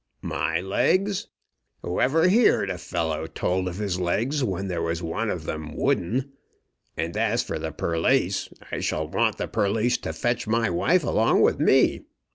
"My legs! Whoever heared a fellow told of his legs when there was one of them wooden. And as for the perlice, I shall want the perlice to fetch my wife along with me.